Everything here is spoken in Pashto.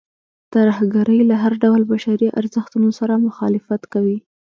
ترهګرۍ له هر ډول بشري ارزښتونو سره مخالفت کوي.